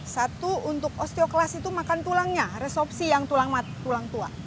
satu untuk osteoklas itu makan tulangnya resopsi yang tulang tua